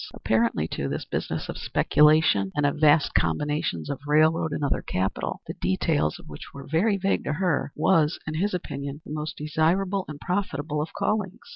Apparently, too, this business of speculation and of vast combinations of railroad and other capital, the details of which were very vague to her, was, in his opinion, the most desirable and profitable of callings.